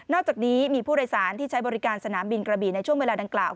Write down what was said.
อกจากนี้มีผู้โดยสารที่ใช้บริการสนามบินกระบี่ในช่วงเวลาดังกล่าว